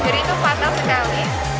jadi itu fatal sekali